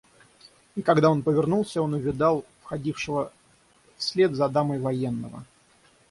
И когда он повернулся, он увидал входившего вслед за дамой военного.